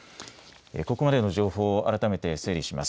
ここまでの情報を改めて整理します。